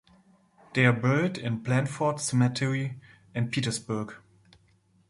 They are buried in Blandford Cemetery in Petersburg.